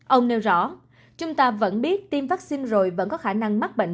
ông nêu rõ chúng ta vẫn biết tiêm vaccine rồi vẫn có khả năng mắc bệnh